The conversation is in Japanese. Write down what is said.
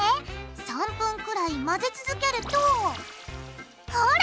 ３分くらい混ぜ続けるとほら！